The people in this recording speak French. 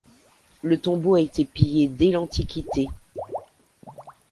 Le tombeau a été pillé dès l'antiquité.